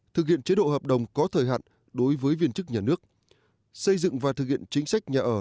thực hiện chế độ hợp đồng có thời hạn đối với viên chức nhà nước xây dựng và thực hiện chính sách nhà ở